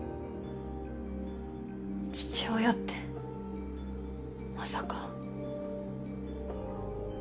父親ってまさか。